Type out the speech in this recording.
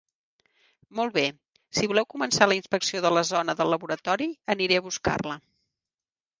Molt bé. Si voleu començar la inspecció de la zona del laboratori, aniré a buscar-la.